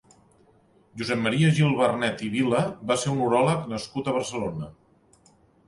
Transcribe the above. Josep Maria Gil-Vernet i Vila va ser un uròleg nascut a Barcelona.